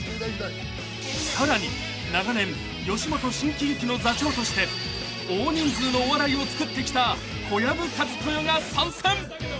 ［さらに長年吉本新喜劇の座長として大人数のお笑いをつくってきた小籔千豊が参戦］